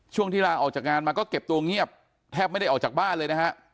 ที่ลาออกจากงานมาก็เก็บตัวเงียบแทบไม่ได้ออกจากบ้านเลยนะฮะ